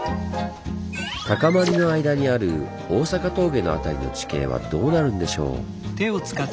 高まりの間にある坂峠の辺りの地形はどうなるんでしょう。